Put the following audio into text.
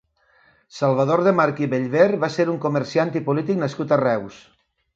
Salvador de March i Bellver va ser un comerciant i polític nascut a Reus.